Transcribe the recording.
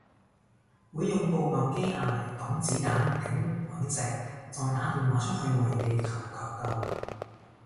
會用部諾基亞嚟擋子彈頂隕石再打電話出去為地球求救